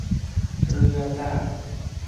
เรือจ้ะ